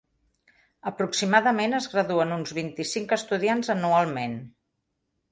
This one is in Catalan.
Aproximadament es graduen uns vint-i-cinc estudiants anualment.